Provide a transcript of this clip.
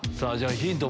ヒント